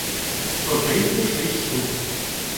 сто тридцать шесть штук